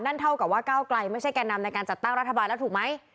เท่ากับว่าก้าวไกลไม่ใช่แก่นำในการจัดตั้งรัฐบาลแล้วถูกไหม